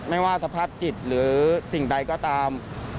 ไม่ว่าสภาพจิตหรือสิ่งใดก็ตาม